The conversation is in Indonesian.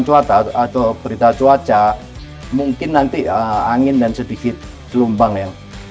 cuaca atau berita cuaca mungkin nanti angin dan sedikit gelombang yang sampai dengan istri dua